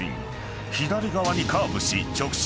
［左側にカーブし直進］